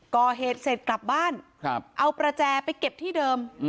ก่อเหตุเสร็จกลับบ้านเอาประแจไปเก็บที่เดิม